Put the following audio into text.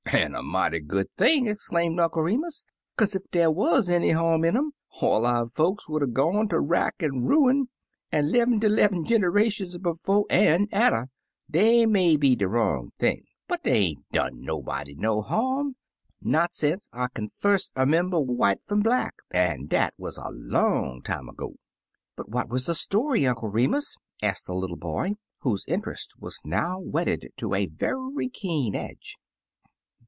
, "An' a mighty good thing!" exclaimed Uncle Remus; "kaze ef dey wuz any harm in um, all our folks would *a* gone ter rack an' ruin, an' 'lev'mty 'lev'm ginerations befo' an' atter. Dey may be de wrong thing, but dey ain't done nobody no harm, not sence I kin fust ermember white fum black — an' dat wuz a long time ago." "But what was the story. Uncle Re mus?" asked the little boy, whose interest was now whetted to a very keen edge.